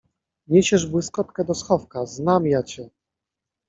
— Niesiesz błyskotkę do schowka, znam ja cię!